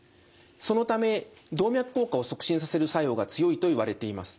そのため動脈硬化を促進させる作用が強いといわれています。